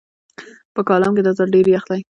په کالام کې دا ځل ډېر يخ دی